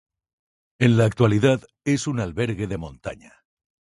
En la actualidad es un albergue de montaña.